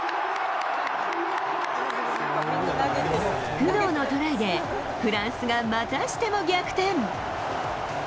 プノーのトライでフランスがまたしても逆転！